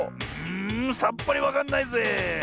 んさっぱりわかんないぜ。